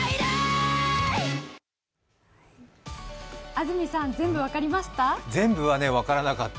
安住さん、全部分かりました？